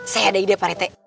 saya ada ide pak rete